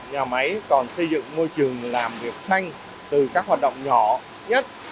nhà máy còn xây dựng môi trường làm việc xanh từ các hoạt động nhỏ nhất